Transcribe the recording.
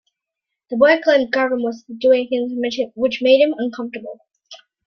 The boy claimed Garvin was doing things which made him uncomfortable.